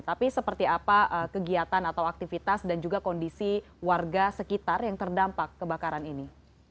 tapi seperti apa kegiatan atau aktivitas dan juga kondisi warga sekitar yang terdampak kebakaran ini